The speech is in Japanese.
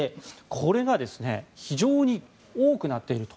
これが非常に多くなっていると。